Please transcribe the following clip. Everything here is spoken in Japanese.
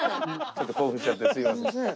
ちょっと興奮しちゃってすいません。